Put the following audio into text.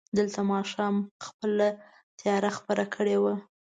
دلته ماښام خپله تياره خپره کړې وه.